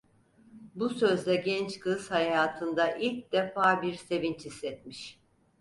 Bu sözle genç kız hayatında, ilk defa bir sevinç hissetmiş.